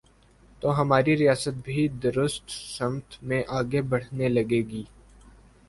تو ہماری ریاست بھی درست سمت میں آگے بڑھنے لگے گی۔